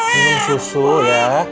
ini susu ya